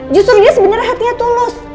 justru dia sebenarnya hatinya tulus